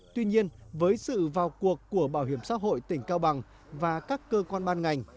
tuy nhiên với sự vào cuộc của bảo hiểm xã hội tỉnh cao bằng và các cơ quan ban ngành